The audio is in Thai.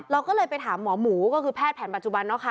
เราก็เลยไปถามหมอหมูก็คือแพทย์แผนปัจจุบันนะคะ